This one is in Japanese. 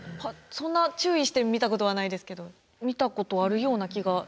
そんな注意して見たことはないですけど見たことあるような気が。